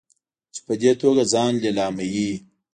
چې په دې توګه ځان لیلاموي.